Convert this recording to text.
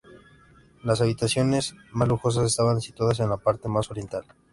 Las habitaciones más lujosas estaban situadas en la parte más oriental.